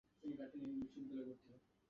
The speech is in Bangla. তিনি গোপিকাবাইকে বিয়ে করেছিলেন।